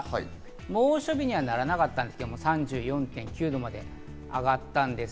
猛暑日にはならなかったんですけど、３４．９度まで気温が上がったんです。